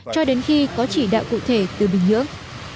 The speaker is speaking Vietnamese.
cho đến khi có chỉ đạo cụ thể từ bình nhưỡng